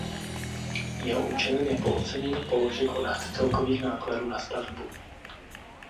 Jeho účelem je po ocenění položek odhad celkových nákladů na stavbu.